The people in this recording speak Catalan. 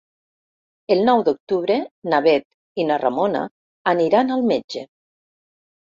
El nou d'octubre na Bet i na Ramona aniran al metge.